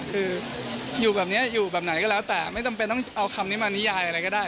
คืออยู่แบบนี้อยู่แบบไหนก็แล้วแต่ไม่จำเป็นต้องเอาคำนี้มานิยายอะไรก็ได้